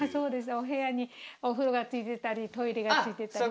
お部屋にお風呂が付いてたりトイレが付いてたり。